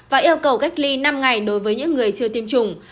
và yêu cầu cách ly năm ngày đối với những người chưa tiêm chủng